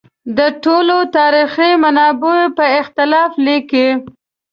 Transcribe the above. د ټولو تاریخي منابعو په خلاف لیکي.